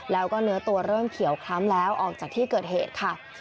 แล้วก็เนื้อตัวเริ่มเขียวคล้ำแล้วออกจากที่เกิดเหตุค่ะ